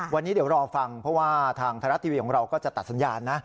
วันนี้เดี๋ยวรอฟังเพราะว่าทางไทยรัฐทีวีของเราก็จะตัดสัญญาณนะ